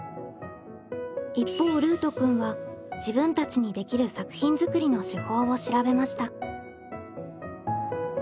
一方ルートくんは自分たちにできる作品作りの手法を調べました。